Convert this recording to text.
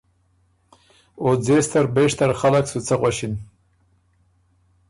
او ځېستر بېشتر خلق سُو څۀ غؤݭِن؟